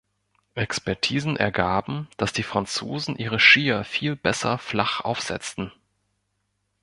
Expertisen ergaben, dass die Franzosen ihre Skier viel besser flach aufsetzten.